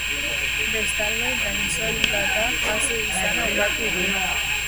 Bestalde, gainsoldatak jaso izana ukatu du.